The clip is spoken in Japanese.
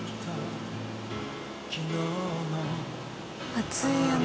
暑いよな。